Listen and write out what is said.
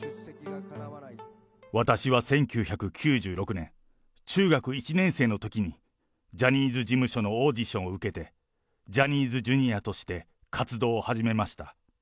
私は１９９６年、中学１年生のときに、ジャニーズ事務所のオーディションを受けて、ジャニーズＪｒとして活動を始めました。